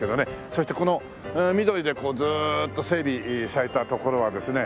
そしてこの緑でずっと整備されたところはですね